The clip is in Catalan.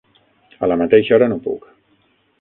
A la mateixa hora no puc.